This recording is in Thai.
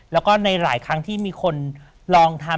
แล้วก็ในหลายครั้งที่มีคนลองทำ